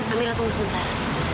amira tunggu sebentar